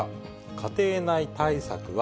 家庭内対策は？